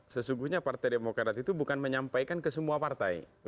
sesungguhnya partai demokrat itu bukan menyampaikan ke semua partai